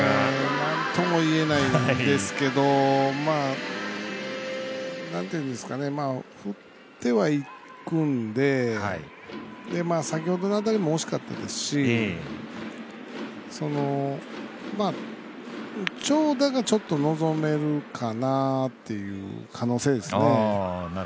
なんとも言えないんですけど振ってはいくんで先ほどの当たりも惜しかったですし長打がちょっと望めるかなっていう可能性ですね。